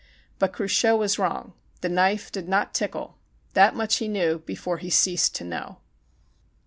But Cruchot was wrong. The knife did not tickle. That much he knew before he ceased to know.